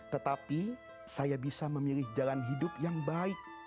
tetapi saya bisa memilih jalan hidup yang baik